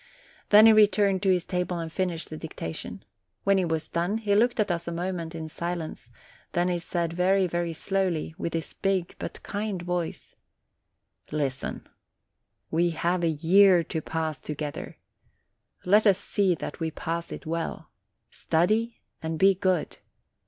Then he returned to his table and finished the dicta tion. When he was done, he looked at us a moment in silence ; then he said, very, very slowly, with his big but kind voice : "Listen. We have a year to pass together; let us see that we pass it well. Study and be good.